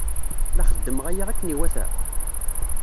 La xeddmeɣ aya akken iwata?